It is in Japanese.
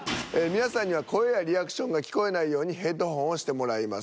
皆さんには声やリアクションが聞こえないようにヘッドホンをしてもらいます。